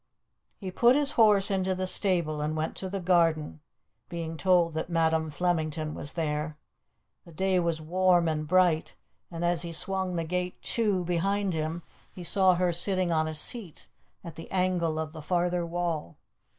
He put his horse into the stable and went to the garden, being told that Madam Flemington was there. The day was warm and bright, and as he swung the gate to behind him he saw her sitting on a seat at the angle of the farther wall.